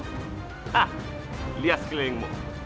hah lihat kelilingmu